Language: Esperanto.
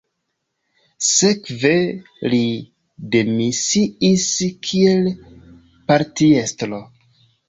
Sekve li demisiis kiel partiestro.